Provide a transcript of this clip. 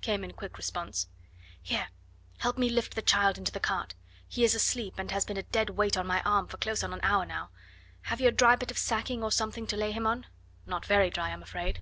came in quick response. "Here, help me to lift the child into the cart. He is asleep, and has been a dead weight on my arm for close on an hour now. Have you a dry bit of sacking or something to lay him on?" "Not very dry, I am afraid."